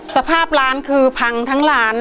สภาพร้านคือพังทั้งร้าน